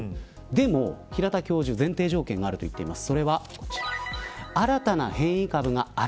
でも平田教授、前提条件があると言っています。